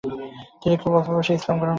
তিনি খুব অল্প বয়সে ইসলাম গ্রহণ করেছিলেন।